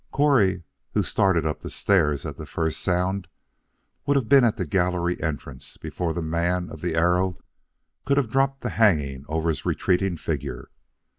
Correy, who started up the stairs at the first sound, would have been at the gallery entrance before the man of the arrow could have dropped the hanging over his retreating figure.